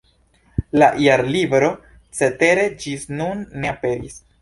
La Jarlibro cetere ĝis nun ne aperis.